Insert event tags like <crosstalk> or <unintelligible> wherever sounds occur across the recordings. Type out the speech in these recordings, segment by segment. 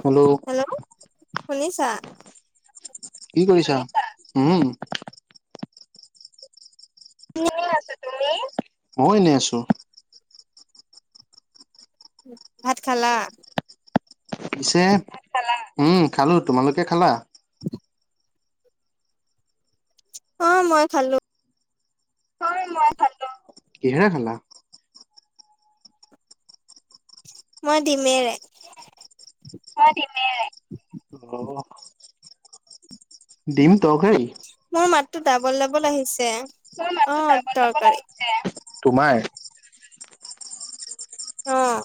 Hello শুনিছা কি কৰিছা? শুনিছা? উম। আছা তুমি? মও এনেই আছোঁ। ভাত খালা? পিছে, ভাত খালা? উম খালো। তোমালোকে খালা? <unintelligible> অঁ মই খালো। হয় মই খালো। কিহেৰে খালা? মই ডিমেৰে। মই ডিমেৰে। অহ। ডিম তৰকাৰি? মোৰ মাতটো ডাবল ডাবল আহিছে। মোৰ মাতটো অঁ ডাবল ডাবল তৰকাৰি। আহিছে। তোমাৰ? অঁ।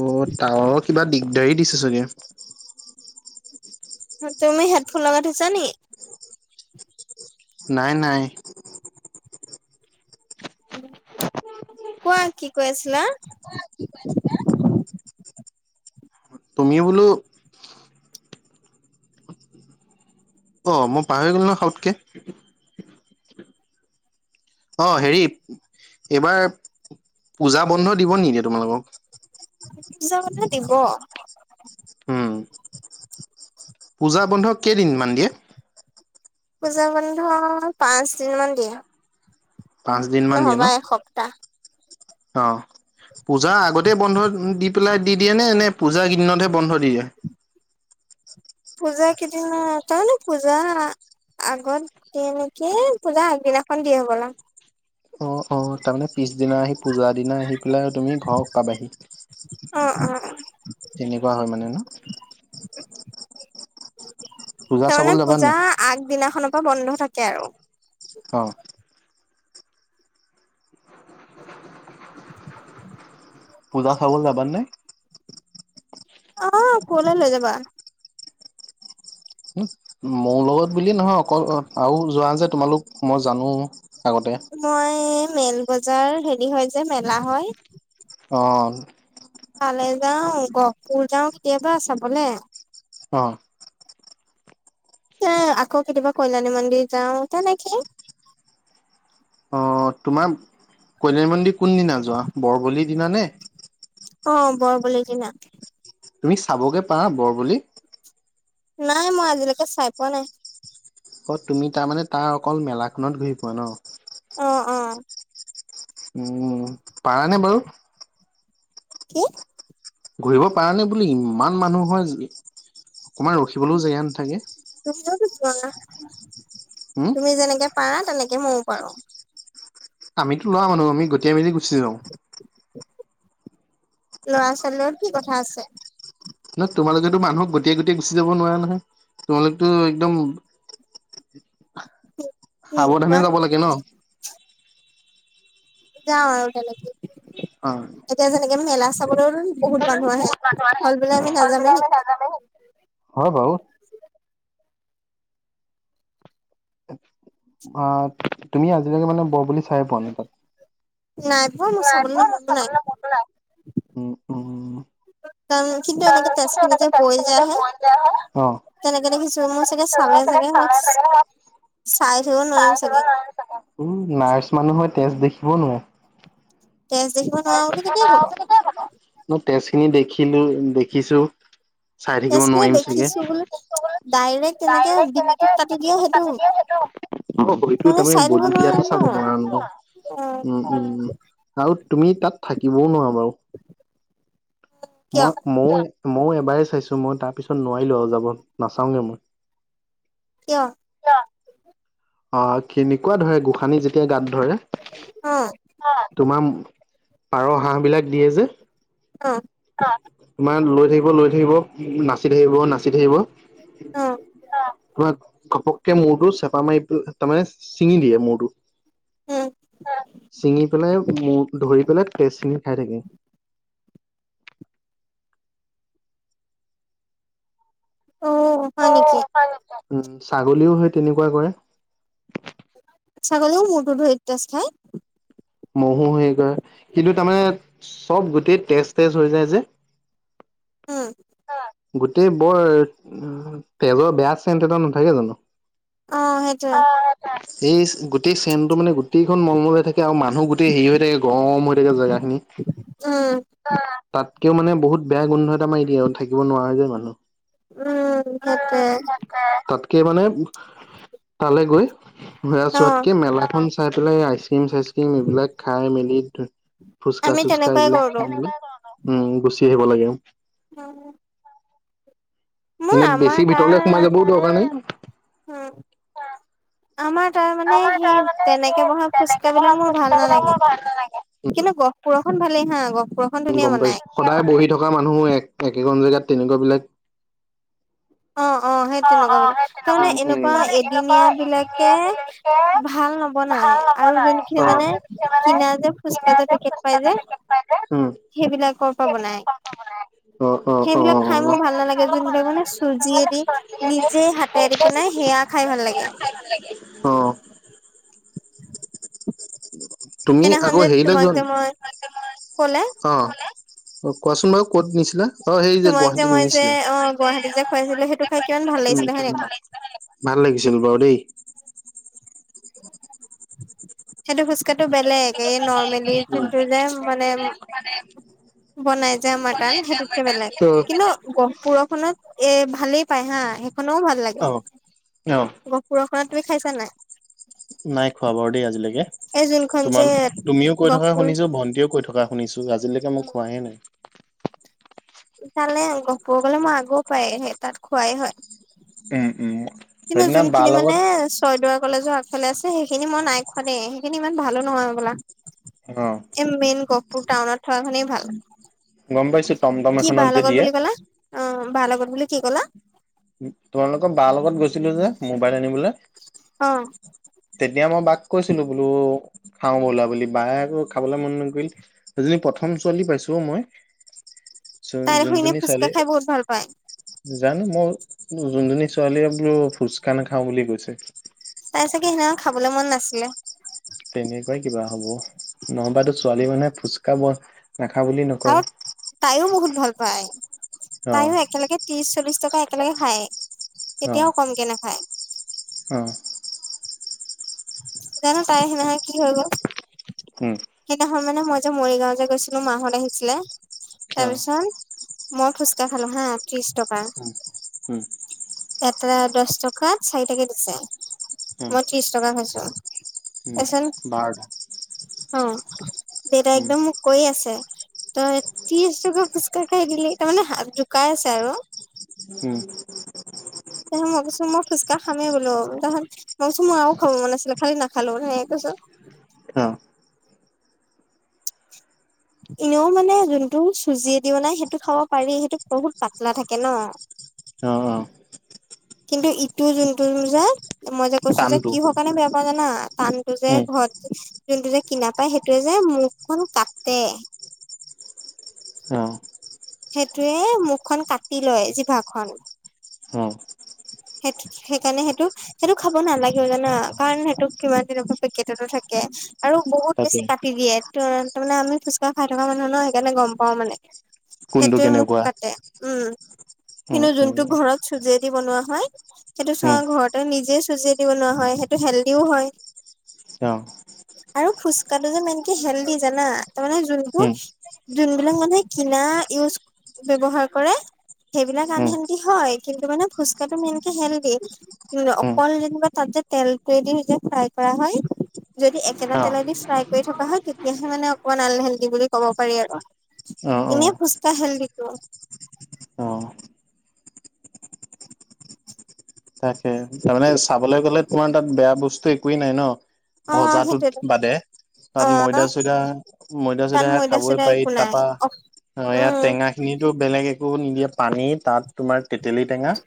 অঁ তাৱাৰৰ কিবা দিগদাৰী দিছে চাগে। তুমি হেডফোন লগাই থৈছা নিকি? নাই নাই। কোৱা কি কৈ আছিলা? তুমি বোলো অঁ মই পাহৰি গ'লো নহয় সাউতকে। অ হেৰী, এইবাৰ পূজা বন্ধ দিব নিদিয়ে তোমালোকক? পূজা বন্ধ দিব। উম পূজা বন্ধ কেইদিনমান দিয়ে? পূজা বন্ধ পাঁচদিন মান দিয়ে। পাঁচদিন মান দিয়ে ন? নহবা এসপ্তাহ অঁহ পূজা আগতেই বন্ধ দি পেলাই দি দিয়ে নে নে পূজাৰ কেইদিনতহে বন্ধ দি দিয়ে? পূজা কেইদিনত তাৰমানে পূজা আগত দিয়ে নেকি, পূজা আগদিনাখন দিয়ে হ'বলা। অঁ অঁ তাৰমানে পিছদিনা আহি পূজাৰ দিনা আহি পেলাই তুমি ঘৰত পাবাহি। অ অ তেনেকুৱা হয় মানে ন? পূজা তাৰমানে চাবলৈ যাবা নে পূজা নাই? আগদিনাখনৰ পৰা বন্ধ থাকে আৰু। অঁ। পূজা চাবলৈ যাবা নাই? অঁ কলৈ লৈ যাবা? মোৰ লগত বুলি নহয় অকল আৰু যোৱা যে তোমালোক মই জানো আগতে। মই মেল বজাৰ হেৰি হয় যে মেলা হয়। অঁ। ফালে যাওঁ, গহপুৰ যাওঁ কেতিয়াবা চাবলে। অঁ। এ আকৌ কেতিয়াবা কল্যাণী মন্দিৰ যাওঁ তেনেকে। অ তোমাৰ কল্যাণী মন্দিৰ কোন দিনা যোৱা বৰবলিৰ দিনা নে? অঁ বৰবলি দিনা। তুমি চাবগৈ পাৰা বৰবলি? নাই মই আজিলৈকে চাই পোৱা নাই। অ তুমি তাৰ মানে তাৰ অকল মেলাখনত ঘূৰি ফুৰা ন? অঁ-অঁ। উম, পাৰা নে বাৰু? কি? ঘূৰিব পাৰা নে বুলি ইমান মানুহ হয়, যে অকনমান ৰখিবলৈও জেগা নাথাকে। তুমিওটো যোৱা। তুমিও হম তুমি যেনেকে পাৰা তেনেকে ময়ও পাৰো। আমিতো ল'ৰা মানুহ আমি গতিয়াই মেলি গুচি যাওঁ। ল'ৰা - ছোৱালীৰ লগত কি কথা আছে? নহ তোমালোকেতো মানুহক গটীয়াই - গটীয়াই গুচি যাব নোৱাৰা নহয়? তোমালোকতো একদম উম। সাৱধানে যাব লাগে ন? যাওঁ আৰু তেনেকে। অ এতিয়া যেনেকে মেলা চাবলৈও বহুত মানুহ আহে, হল বোলে আমি নাযামেই নেকি? হয় বাউ। অ, তুমি আজিলৈকে মানে বৰবুলি চাই পোৱা নাই? নাই পোৱা মোৰ চাবলৈ মনো নাই। উম উম তাৰ এইখিনিতে তেচখিনি যে বৈ যোৱা হয়। তেনেকে দেখিছো মোৰ চাগে চালে চাগে মোক চু, অ চাই থাকিব চাই নোৱাৰিম থব চাগে? চাগে। উম, নাই চোৱা নহয় তেজ দেখিব নোৱাৰে। তেজ দেখিব নোৱাৰো বুলি কেতিয়া কলো? ন তেজখিনি দেখিলো দেখিছো, চাই থাকিব তেজ খিনি নোৱাৰিম চাগে? দেখিছো বোলো ডাইৰেক্ট তেনেকে ডাইৰেক্ট কেনেকে ডিঙিটোত কাটি দিয়ে হেৰিখন সেইটো কাটি দিয়ে সেইটোৱে হব পাৰে। অ সেইতো মানে তাৰমানে চাই থাকিব বলি নোৱাৰিম দিয়াতো চাব নোৱাৰা ন, অ উম। উম আৰু তুমি তাত থাকিবও নোৱাৰা বাও। কিয় মই ময়ো ময়ো এবাৰ চাইছো মই তাৰ পিছত নোৱাৰিলো আৰু যাব নাচাওগে মই। কিয়? অ কেনেকোৱা ধৰে গোসানি যেতিয়া গাত ধৰে? অ। আ তোমাৰ পাঁৰ, হাঁহ বিলাক দিয়ে যে? অ। অ তোমাৰ লৈ থাকিব লৈ থাকিব, ই নাচি থাকিব নাচি থাকিব। অ অ, তোমাৰ ঘপককে মূৰটো চেপা মাৰি তাৰমানে ছিঙি দিয়ে মূৰটো। উম অ, ছিঙি পেলাই মূ ধৰি পেলাই তেজখিনি খাই থাকে। অ হয় নেকি? উম ছাগলীও সেই তেনেকুৱা কৰে। ছাগলীও মূৰটো ধৰি তেজ খাই? মহো হেৰি কৰে কিন্তু তাৰমানে চব গোটেই তেজ তেজ হৈ যায় যে উম অ গোটেই বৰ তেজৰ বেয়া চেণ্ট এটা নাথাকে জানো অ সেইটোয়ে তেজ গোটেই চেনটো মানে গোটেইখন মলমলাই থাকে আৰু মানে গোটেই হেৰি হৈ থাকে গৰম হৈ থাকে জেগাখিনি উম তাতকেও মানে বহুত বেয়া গোন্ধ এটা মাৰি দিয়ে আৰু থাকিব নোৱাৰে যে মানুহ উম সেইটোৱে আ তাতকে মানে তালৈ গৈ বেয়া অ চোৱাতকে মেলাখন চাই পেলাই আইক্সিম চাইক্সিম উম এইবিলাক খাই মেলি ফুচকা আমি চুচকা তেনেকুৱাই এইবিলাক কৰিলো খাই মেলি উম গুচি আহিব লাগে। উম উ কিন্তু বেছি ভিতৰলৈ তাৰ সোমাই যাবও দৰকাৰ নাই। উম আমাৰ তাৰ মানে আমাৰ তাৰ সেই মানে সেই তেনেকে বহা তেনেকে ফুচকা বহা বিলাক মোৰ ফুচকা ভাল বিলাক মোৰ নালাগে ভাল নালাগে। কিন্তু গহপুৰখন ভালেই হা গহপুৰ গম পাইছো সদায় বহি থকা মানুহো এক একেখন জেগাত তেনেকুৱা বিলাক অ অ সেই তেনেকুৱা অ বিলাক সেই তেনেকুৱা তাৰমানে মানে এনেকুৱা তাৰমানে এনেকুৱা এদিনীয়া বিলাকে এদিনীয়া দিলেকে ভাল বনাই ভাল আৰু নবনাই যোন খিনি আৰু মানে যদিহে মানে কিনা যে কিনা ফোজকা যে পেকেট ফুচকা পাই যে পেকেট পাই যে সেইবিলাকৰ পৰা বনাই সেইবিলাকতো বনাই সেইবিলাক খাই মোৰ ভাল খাই নালাগে বৰ ভাল যোনবিলাক মানে নালাগে চুজ যিয়ে যোনবিলাক দি মানে চব্জিয়ে দি নিজে হাতে এৰি নিজে বনাই সেয়া খাই ভাল লাগে। অ তুমি সেইদিনাখন আকৌ যে হেৰিলৈ তোমাক যোৱা যে নি মই কলে অ অ কোৱাচোন বাৰু কত নিছিলে অ সেই যে গুৱাহাটীত নিছিলে। খাইছিল সেইটো খাই। কিমান ভাল উ লাগিছিলে হয় নে কোৱা ভাল লাগিছিল বাৰু দেই। সেইটো ফোজকাটো সেইটো বেলেগ ফুচকাটো এই বেলেগ নৰ্মেলি এই যোনটো যে নৰ্মেলি মানে মানে বনাই যে আমাৰ খোৱা নাই টান যে আমাৰ সেইটোতকে তাত বেলেগ সেইটো বেলেগ। কিন্তু। গহপুৰখনত এ ভালেই পায় হা সেইখনো ভাল লাগে। অ', অ গহপুৰৰ খনত তুমি খাইছা নাই? নাই খোৱা বাৰু দেই আজিলৈকে এই যোনখন যে তোমাল তুমিও কৈ থকা গহপুৰ শুনিছোঁ ভন্টিও কৈ থকা। শুনিছোঁ আজিলৈকে মোক খোৱাহে নাই। ফালে গহপুৰ গলে মই আকৌ পায়হে তাত খোৱাই হয়। উম উম কিন্তু সেইদিনা বাৰ যোনখিনি লগত মানে চয়দুৱাৰ কলেজৰ আগফালে আছে সেইখিনি মই নাই খোৱা দেই সেইখিনি ইমান ভালো নহয় হবলা। অ এ মেইন গহপুৰ টাউনত থকাখনেই ভাল, গম পাইছো টমটম কি বা এখনত যে লগত দিয়ে বুলি কলা। অ বা লগত বুলি কি কলা? তোমালোকৰ বাৰ লগত গৈছিলো যে মোবাইল আনিবলৈ। অ তেতিয়া মই বাক কৈছিলো বোলো খাওঁ বলা বুলি বায়েকো খাবলৈ মন নকৰিল। সেইজনী প্ৰথম ছোৱালী পাইছো মই, চ তাই দেখোন এনে যোনজনী ফুচকা ছোৱালী খাই বহুত ভাল পায় জানো মই যোনজনী ছোৱালীয়ে বোলো ফুচকা নাখাও বুলি কৈছে। তাই চাগে সেইদিনাখন খাবলে মন নাছিলে। তেনেকুৱাই কিবা হব নহবাতো ছোৱালী মানুহে ফোচকা ব নাখাও বুলি নক আৰু তাইও বহুত ভাল পায় অ তাইও একেলগে ত্ৰিশ চল্লিশ টকা একেলগে খায়। অ কেতিয়াও কমকে নাখায়। অ জানো পাই সেইদিনাখন কি হৈ গল? উম! সেইদিনাখন মানে মই যে মৰিগাঁও যে গৈছিলোঁ মাহত আহিছিলে অ তাৰপিছত মই ফোচকা খালো হা ত্ৰিশ টকা। উম উম। এটা দচ টকা চাৰিটাকে দিছে, অ মই ত্ৰিশ টকা খাইছোঁ। উম এচন বাৰটা অ তেৰা উম একদম মোক কৈ আছে তই ত্ৰিশ টকা ফুচকা খাই দিলি তাৰমানে হাত জোকাই আছে আৰু। উম। ত মই ভাবিচো মই ফোচকা খামেই বোলোঁ। তহঁত মই কৈছোঁ মই আৰু খাব মন আছিলে খালি নাখালোঁ সেনেকে কৈছোঁ। অ এনেও মানে যোনটো চুজিদি বনাই সেইটো খাব পাৰি সেইটো বহুত পাতলা থাকে ন। অ অ। কিন্তু ইটো যোনটো যে মই যে কৈছো যে টানটো কিহৰ কাৰণে বেয়া পাওঁ জানা টানটো যে উম ঘৰত যোনটো যে কিনা পায় সেইটোৱে যে মুখখন কাটে। অ সেইটোয়ে মুখখন কাটি লয় জিভাখন। অ সেইটো সেইকাৰণে সেইটো - সেইটো খাব নালাগেও জানা কাৰণ সেইটো কিমান দিনৰ পৰা পেকেটতে থাকে। আৰু বহুত বেছি তাকে কাটি দিয়ে, ত তাৰমানে আমি ফোচকা খাই থকা মানুহ ন সেইকাৰণে গম পাওঁ মানে। কোনটো সেইটোৱে মুখ কেনেকুৱা কাটে, উম উম কিন্তু উম যোনটো ঘৰত চুজিয়েদি বনোৱা হয় সেইটো চোৱা উম ঘৰতে নিজে চুজিয়ে দি বনোৱা হয় সেইটো হেল্ডিও হয়। অ। আৰু খুচকা যে মেনকে হেল্ডি জানা তাৰ মানে উম যোনবোৰ যোনবিলাক মানুহে কিনা ইউজ ব্যৱহাৰ কৰে। সেইবিলাক আন উম হেলডি হয় কিন্তু মানে ফুচকাটো মেইনকে হেল্ডি। উম অকল যেনিবা তাত যে তেলটোৱেদি যে ফ্ৰাই কৰা হয় যদি একেটা অ তেলোই দি ফ্ৰাই কৰি থকা হয় তেতিয়াহে মানে অকমান আনহেল্ডি বুলি ক'ব পাৰি আৰু। অ ইনে ফুস্কা হেল্ডিটো। অ। তাকে তাৰমানে চাবলৈ গ'লে তোমাৰ তাত বেয়া বস্তু একোৱেই নাই ন? অ ভজাটো সেইটোৱেটো বাদে। অ তাত ময়দা - চৈদা ময়দা - তাত চৈদা খাবই চয়দা পাৰি একো নাই তাৰপা আহ ইয়াত উম টেঙা খিনিতো বেলেগ একো নিদিয়ে পানী তাত তোমাৰ তেতেলী টেঙা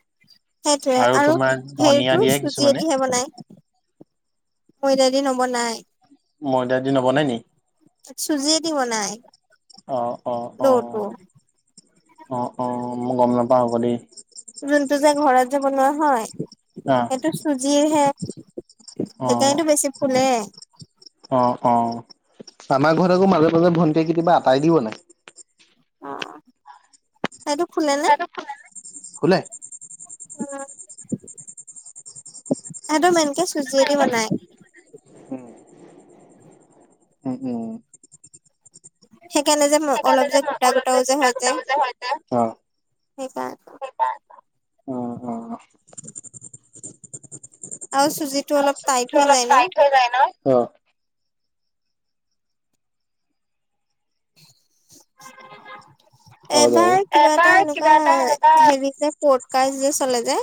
সেইটোৱে আৰু তোমাৰ ধনিয়া ভেৰিটো দিয়ে কিছুমানে চুজিয়েদিহে বনাই। মইদাই দি নৱনায়। ময়দা দি নবনাই নি? চুজিয়ে দিব নাই অ অ অ ৰৌটো। অ অ ম গম ম নাপাও আক দেই। যোনটো যে ঘৰত যে বনোৱা হয় অ সেইটো চুজিৰহে। অ সেইকাৰণেতো বেছি ফুলে। অ অ, আমাৰ ঘৰত আকৌ মাজে - মাজে ভণ্টিয়ে কেতিয়াবা আটাই দি বনাই। উম, এইটো ফুলে নে? ফুলে। হেহতৰ মেনকে চুজিয়দি বনাই। উম উম অ। সেইকাৰণে যে সেইকাৰণে অলপ যে গোটা অলপ গোটাও যে গোটা হৈ গোটা যায়, যে হয় যে সেইকাৰণে। অ অ। আৰু চুজিটো অলপ টাইট হৈ যায় ন? তা অ। হয় বাৰু। এবাৰ কিবা এটা এবাৰ কিবা এনেকুৱা এটা এনেকুৱা হেৰি যে পৌডকাষ্ট যে চলে যে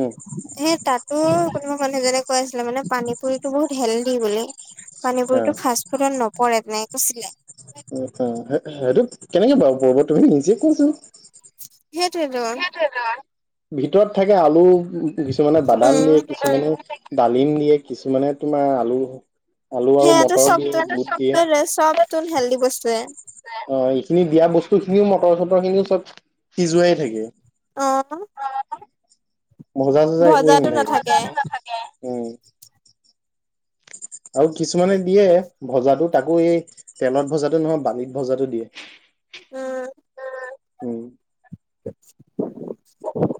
উম হে তাতো কোনোবা মানুহজনে কৈ আছিলে মানে পানী পুৰিতো বহুত হেলডি বুলি পানী অ পুৰিতো ফাঁচ ফুচত নপৰে এনেকে কৈছিলে উম উম সেইটো কেনেকে বাৰু পৰিব তুমি নিজে কোৱাছোন সেইটোৱে টো ভিতৰত থাকে আলু কিছুমানে বাদাম দিয়ে উম কিছুমানে ডালিম দিয়ে কিছুমানে তোমাৰ আলু আলু আৰু মটৰ দিয়ে বুট দিয়ে চোন হেল্ডি বস্তুৱে অ এইখিনি দিয়া বস্তু খিনিও মটৰ চটৰ খিনিও চব সিজোৱাই থাকে অ ভজা চজা একোৱেই নাথাকে উম আৰু কিছুমানে দিয়ে ভজাটো তাকো এই তেলত ভজাটো নহয় বালিত ভজাটো দিয়ে। উম। উম <inaudible>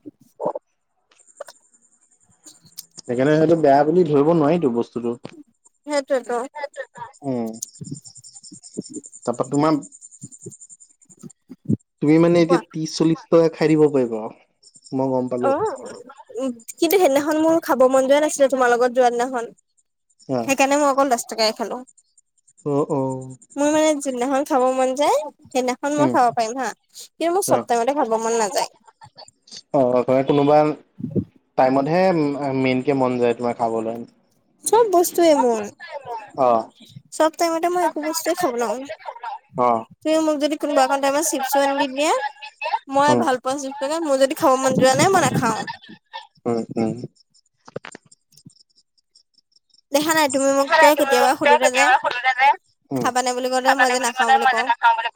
সেইকাৰণে সেতো বেয়া বুলি ধৰিব নোৱাৰিতো বস্তুটো সেইটোৱে টো সেইটোৱে এটা উম তাপা তোমা তুমি মানে এতিয়া কোৱা ত্ৰিশ চল্লিশ টকা খাই দিব পাৰিবা আও অ উ কিন্তু সেইদিনাখন মোৰ খাব মন যোৱা নাছিলে তোমাৰ লগত যোৱা দিনাখন অ সেইকাৰণে মই অকল দছ টকাই খালোঁ। অ অ। মোৰ মানে যোনদিনাখন খাব মন যায় সেইদিনাখন মই উম খাব পাৰিম হা, কিন্তু মোৰ অ চব টাইমতে খাব মন নাযায়। অ কোনোবা টাইমত হে মেইনকে মন যায় তোমাৰ খাবলৈ। চব বস্তুয়ে মোৰ। সব টাইমতে মই একো বস্তুৱে খাব অ অ নোৱাওঙ তুমি মোক যদি কোনবা এখন টাইমত চিপচু আনি দিয়া মই ভাল পোৱা চিপচ কেইটা মোৰ যদি খাব মন যোৱা নাই মই নেখাওঁ। উম উম। দেখা নাই তুমি মোক যে কেতিয়াবা সুধোতে যে সুধোতে যে উম খাবা নে বুলি কওঁতে মই খাবানে যে নেখাওঁ কওঁতে বুলি মই যে কওঁ। নাখাওঁ বুলি